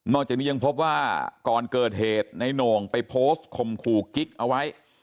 จากนี้ยังพบว่าก่อนเกิดเหตุในโหน่งไปโพสต์ข่มขู่กิ๊กเอาไว้